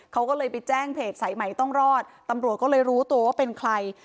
เขาก็เลยไปแจ้งเพจสายใหม่ต้องรอดตำรวจก็เลยรู้ตัวว่าเป็นใคร